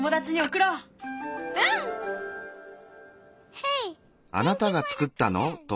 ヘイ！